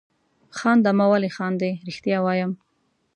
خانده مه ولې خاندې؟ رښتیا وایم.